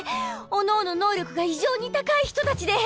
各々能力が異常に高い人たちで。